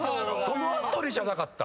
その辺りじゃなかった？